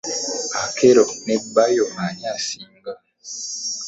Akello ne Bayo ani asinga?